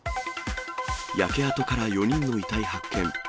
焼け跡から４人の遺体発見。